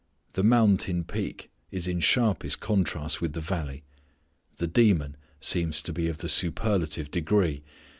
The mountain peak is in sharpest contrast with the valley. The demon seems to be of the superlative degree.